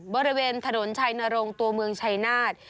บริเวณถนนชัยนรงค์ตัวเมืองชายนาฏ